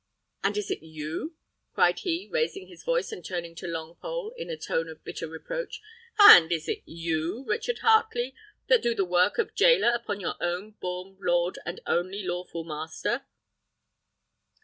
And is it you," cried he, raising his voice, and turning to Longpole, in a tone of bitter reproach, "and is it you, Richard Heartley, that do the work of jailer upon your own born lord and only lawful master?"